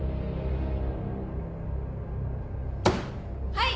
はい！